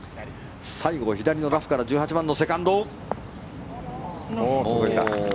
西郷、左のラフから１８番のセカンド。